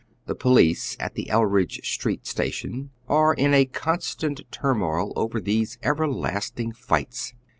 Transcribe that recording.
The police at the Eldridge Street station are in a constant turmoil over these everlasting fights.